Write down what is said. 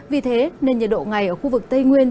vì thế nên nhiệt độ ngày ở khu vực tây nguyên